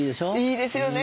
いいですよね。